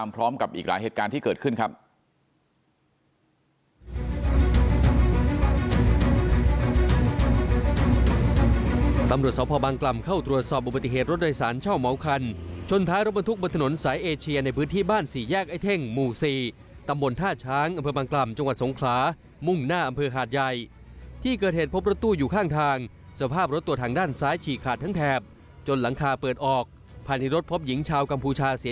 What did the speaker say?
พร้อมกับอีกหลายเหตุการณ์ที่เกิดขึ้นครับ